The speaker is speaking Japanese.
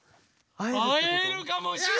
あえるかもしれない！